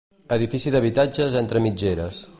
Edifici d'habitatges entre mitgeres.